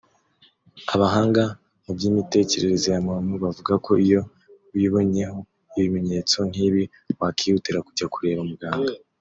Abahanga mu by’imitekerereze ya muntu bavuga ko iyo wibonyeho ibimenyetso nk’ibi wakwihutira kujya kureba muganga